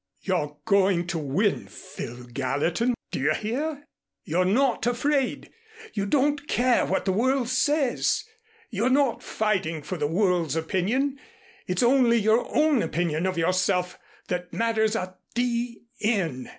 "You're going to win, Phil Gallatin. Do you hear? You're not afraid. You don't care what the world says. You're not fighting for the world's opinion. It's only your own opinion of yourself that matters a d n.